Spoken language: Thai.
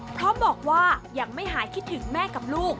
เพราะบอกว่ายังไม่หายคิดถึงแม่กับลูก